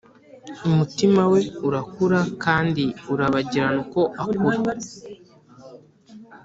umutima we urakura kandi urabagirana uko akura